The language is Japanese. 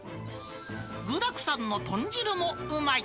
具だくさんの豚汁もうまい。